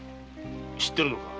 知ってるのか？